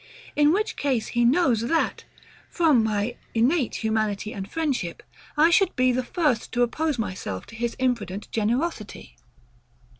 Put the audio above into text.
in which case, he knows, that, from my innate humanity and friendship, I should be the first to oppose myself to his imprudent generosity.